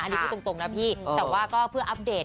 อันนี้พูดตรงนะพี่แต่ว่าก็เพื่ออัปเดต